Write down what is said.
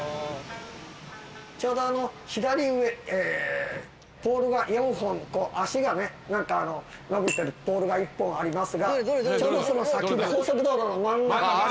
ちょうど左上ポールが４本脚がねのびてるポールが１本ありますがちょうどその先高速道路の真ん中です。